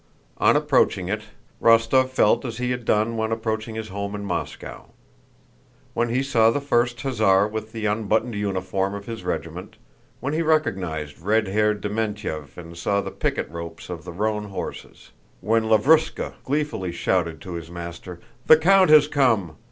On approaching it, Rostóv felt as he had done when approaching his home in Moscow. When he saw the first hussar with the unbuttoned uniform of his regiment, when he recognized red haired Deméntyev and saw the picket ropes of the roan horses, when Lavrúshka gleefully shouted to his master, "The count has come!"